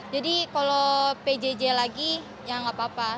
jadi kalau pjj lagi ya nggak apa apa